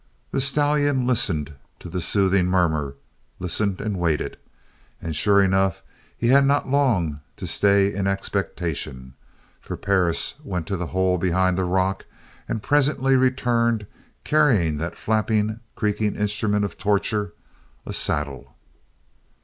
The stallion listened to the soothing murmur, listened and waited, and sure enough he had not long to stay in expectation. For Perris went to the hole behind the rock and presently returned carrying that flapping, creaking instrument of torture a saddle.